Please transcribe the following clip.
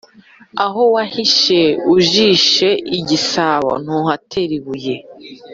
Aho wahishe (ujishe) igisabo, ntuhatera ibuye.